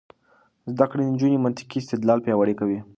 زده کړه د نجونو منطقي استدلال پیاوړی کوي.